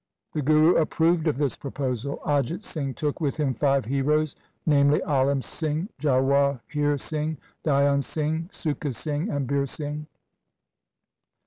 The Guru approved of this proposal. Ajit Singh took with him five heroes, namely, Alim Singh, Jawahir Singh, Dhyan Singh, Sukha Singh, and Bir Singh.